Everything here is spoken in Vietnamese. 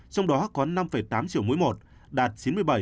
trong đó có năm tám triệu mũi một đạt chín mươi bảy